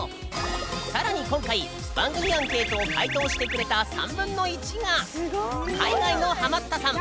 更に今回番組アンケートを回答してくれた３分の１が海外のハマったさん。